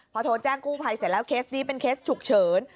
พอโทรแจ้งกู้ภัยเสร็จแล้วเคสนี้เป็นเคสฉุกเฉิน